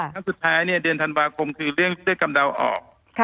ครั้งสุดท้ายเนี่ยเดือนธันวาคมคือเรื่องเสื้อกำเดาออก